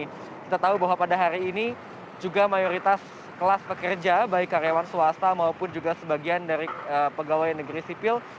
kita tahu bahwa pada hari ini juga mayoritas kelas pekerja baik karyawan swasta maupun juga sebagian dari pegawai negeri sipil